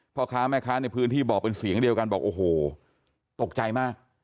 พ่อค้าแม่ค้าในพื้นที่บอกเป็นเสียงเดียวกันบอกโอ้โหตกใจมาก